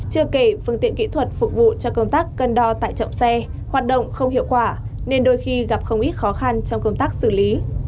chưa kể phương tiện kỹ thuật phục vụ cho công tác cân đo tại trọng xe hoạt động không hiệu quả nên đôi khi gặp không ít khó khăn trong công tác xử lý